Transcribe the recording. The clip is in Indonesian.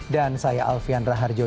dan saya alfian raharjo